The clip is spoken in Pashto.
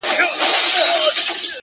چي په سیند کي پورته ږغ د جاله وان سي!!